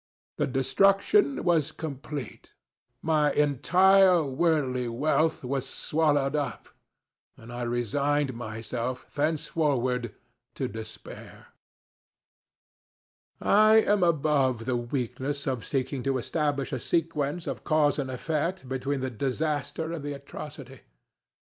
The destruction was complete. My entire worldly wealth was swallowed up, and I resigned myself thenceforward to despair. I am above the weakness of seeking to establish a sequence of cause and effect, between the disaster and the atrocity.